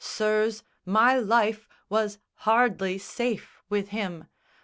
Sirs, my life Was hardly safe with him.